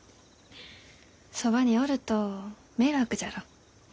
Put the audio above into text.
そばにおると迷惑じゃろう？